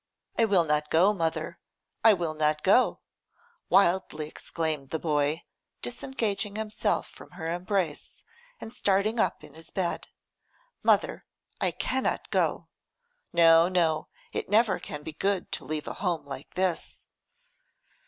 'I will not go, mother, I will not go,' wildly exclaimed the boy, disengaging himself from her embrace and starting up in his bed. 'Mother, I cannot go. No, no, it never can be good to leave a home like this.